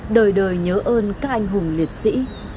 các anh hùng liệt sĩ